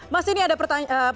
mas ini ada pertanyaan